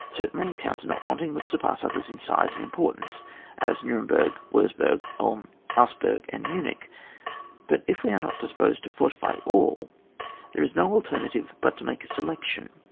Certainly, towns are not wanting which surpass others in size and importance, as Nuremburg, Wurzburg, Ulm, Augsburg, and Munich; but if we are not disposed to fortify all, there is no alternative but to make a selection.